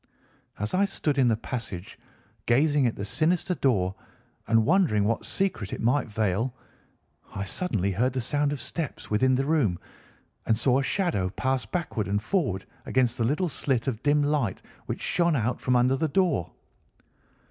As I stood in the passage gazing at the sinister door and wondering what secret it might veil, I suddenly heard the sound of steps within the room and saw a shadow pass backward and forward against the little slit of dim light which shone out from under the door.